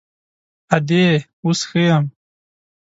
_ادې، اوس ښه يم.